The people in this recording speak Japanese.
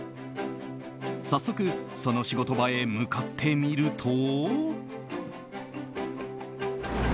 早速、その仕事場へ向かってみると。